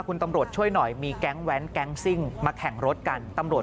คุณตำรวจช่วยหน่อยมีแก๊งแว้นแก๊งซิ่งมาแข่งรถกันตำรวจ